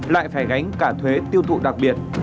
lại phải gánh cả thuế tiêu thụ đặc biệt